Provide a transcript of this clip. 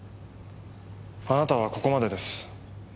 あなたはここまでです。